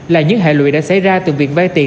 là những hại lụy đã xảy ra từ việc vai tiền